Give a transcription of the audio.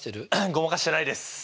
ごまかしてないです！